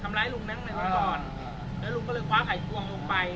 ทำร้ายลุงนั่งในรถก่อนอ่าแล้วลุงก็เลยคว้าไข่ควงลงไปอ่า